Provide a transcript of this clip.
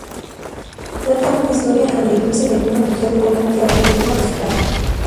Cuenta una historia agridulce de una mujer joven que ha perdido a su padre.